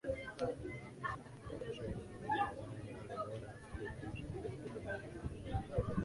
wa Kushirikishwa elfu mbili na nane Wimbo Bora Afrika Mashariki elfu mbili kumi na